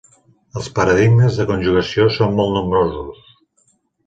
Els paradigmes de conjugació són molt nombrosos.